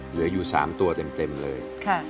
เหลืออยู่๓ตัวเต็มเลย